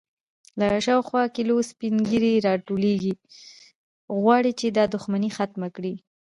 _له شاوخوا کليو سپين ږيرې راټولېږي، غواړي چې دا دښمنې ختمه کړي.